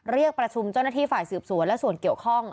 เรียกประชุมเจ้าหน้าที่ฝ่ายสืบสวนและส่วนเกี่ยวข้อง